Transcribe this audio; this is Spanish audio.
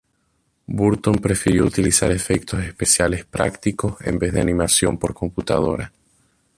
Burton prefirió utilizar efectos especiales prácticos en vez de animación por computadora.